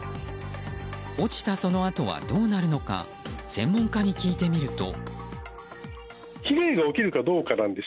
落ちたそのあとはどうなるのか専門家に聞いてみると。